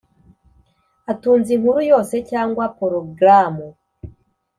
Atunze inkuru yose cyangwa porogramu